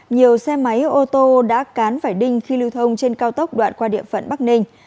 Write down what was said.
nhiều xe máy ô tô đã cán phải đinh khi lưu thông trên cao tốc đoạn qua địa phận bắc ninh